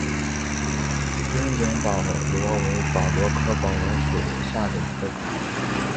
樱井宝螺为宝螺科宝螺属下的一个种。